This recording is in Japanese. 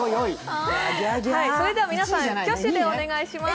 それでは皆さん、挙手でお願いします。